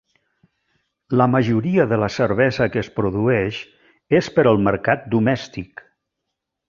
La majoria de la cervesa que es produeix és per al mercat domèstic.